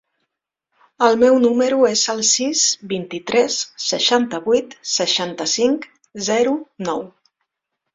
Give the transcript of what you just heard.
El meu número es el sis, vint-i-tres, seixanta-vuit, seixanta-cinc, zero, nou.